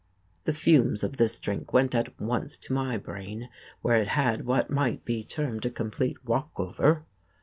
The fumes of this drink went at once to my brain, where it had what might be termed a complete walkover.